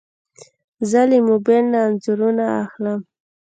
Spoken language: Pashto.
زه له موبایل نه انځورونه اخلم.